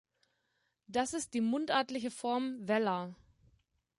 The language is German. Das ist die mundartliche Form „Wella“.